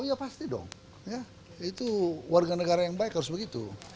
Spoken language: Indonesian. oh ya pasti dong ya itu warga negara yang baik harus begitu